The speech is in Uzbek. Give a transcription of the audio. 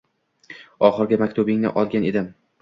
Oxirgi maktubingni olgan edim